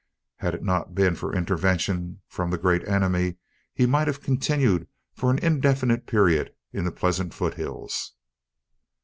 Had it not been for intervention from the Great Enemy, he might have continued for an indefinite period in the pleasant foothills.